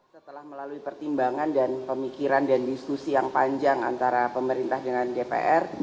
setelah melalui pertimbangan dan pemikiran dan diskusi yang panjang antara pemerintah dengan dpr